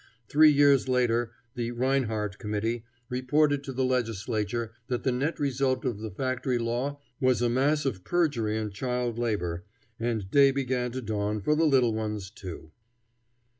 Three years later the Reinhardt Committee reported to the Legislature that the net result of the Factory Law was a mass of perjury and child labor, and day began to dawn for the little ones, too.